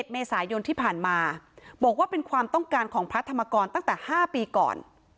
เมษายนที่ผ่านมาบอกว่าเป็นความต้องการของพระธรรมกรตั้งแต่๕ปีก่อน